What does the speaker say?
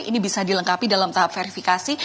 dengan yang dilengkapi dalam tahap verifikasi